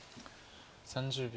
３０秒。